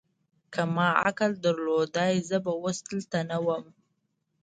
که ما عقل درلودای، زه به اوس دلته نه ووم.